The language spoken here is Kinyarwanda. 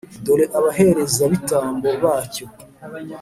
Dore abaherezabitambo bacyo.